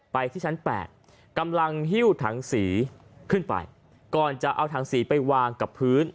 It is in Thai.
ที่ชั้น๘กำลังหิ้วถังสีขึ้นไปก่อนจะเอาถังสีไปวางกับพื้น